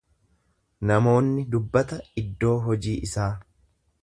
Namoonni dubbata iddoo hojii isaa.